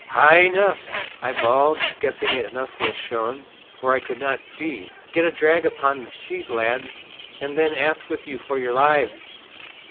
"High enough!" I bawled, guessing enough was shown, for I could not see. "Get a drag upon the sheet, lads, and then aft with you for your lives!"